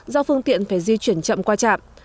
do phương tiện phải di chuyển chậm qua trạm